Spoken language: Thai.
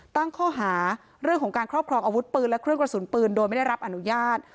ตั้งข้อหาเรื่องของการครอบครองอาวุธปืนและเครื่องกระสุนปืนโดยไม่ได้รับอนุญาต